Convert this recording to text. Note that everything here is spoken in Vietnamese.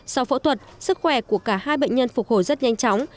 sau phẫu thuật sức khỏe của cả hai bệnh nhân phục hồi rất nhanh chóng